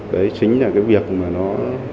đấy chính là cái việc mà nó